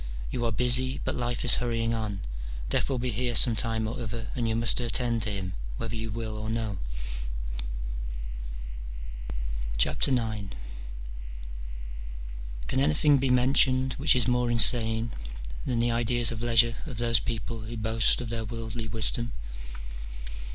you are busy, but life is hurrying on : death will be here some time or other, and you must attend to him, whether you will or no. IX. Can anything be mentioned which is more insane than the ideas of leisure of those people who boast of their worldly wisdom